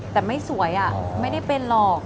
แต่ไม่สวยไม่ได้เป็นหรอก